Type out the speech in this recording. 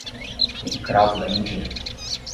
Tem cravo-da-Índia?